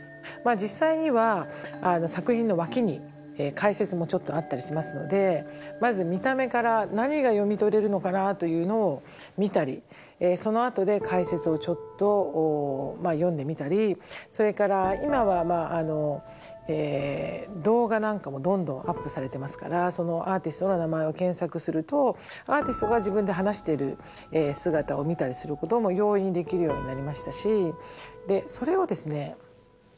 実際には作品の脇に解説もちょっとあったりしますのでまず見た目から何が読み取れるのかなというのを見たりそのあとで解説をちょっと読んでみたりそれから今は動画なんかもどんどんアップされてますからそのアーティストの名前を検索するとアーティストが自分で話している姿を見たりすることも容易にできるようになりましたしそれをですね